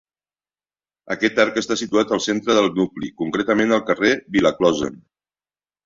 Aquest arc està situat al centre del nucli, concretament al carrer Vila-closa.